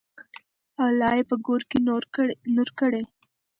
الله یې په ګور کې نور کړي.